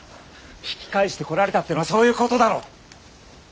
引き返してこられたっていうのはそういうことだろ。